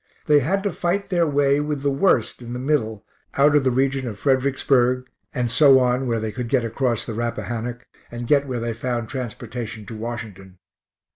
They had to fight their way with the worst in the middle out of the region of Fredericksburg, and so on where they could get across the Rappahannock and get where they found transportation to Washington.